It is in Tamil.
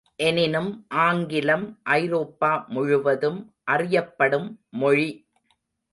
எனினும் ஆங்கிலம் ஐரோப்பா முழுவதும் அறியப்படும் மொழி.